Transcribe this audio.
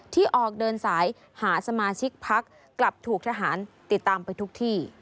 ที่ออกเดินสายหาสมาชิกพักกลับถูกทหารติดตามไปทุกที่